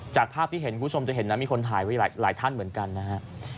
จากภาพที่เห็นคุณผู้ชมจะเห็นนะมีคนถ่ายไว้หลายท่านเหมือนกันนะฮะ